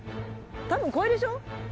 多分これでしょ？